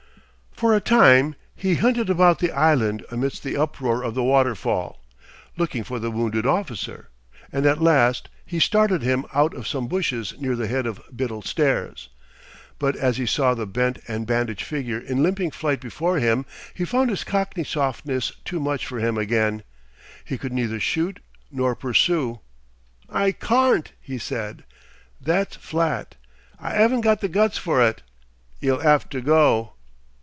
For a time he hunted about the island amidst the uproar of the waterfall, looking for the wounded officer, and at last he started him out of some bushes near the head of Biddle Stairs. But as he saw the bent and bandaged figure in limping flight before him, he found his Cockney softness too much for him again; he could neither shoot nor pursue. "I carn't," he said, "that's flat. I 'aven't the guts for it! 'E'll 'ave to go."